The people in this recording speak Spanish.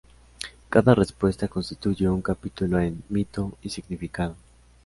Cada respuesta constituye un capítulo en "Mito y significado".